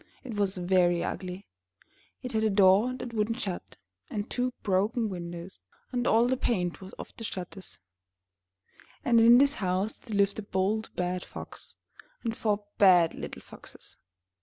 It was very ugly. It had a door that wouldn't shut, and two broken windows, and all the paint was off the shutters. And in this house there lived A BOLD BAD FOX and FOUR BAD LITTLE FOXES.